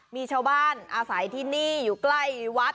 มีชาวบ้านอาศัยที่นี่อยู่ใกล้วัด